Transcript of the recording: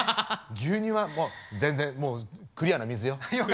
牛乳はもう全然クリアな水よ！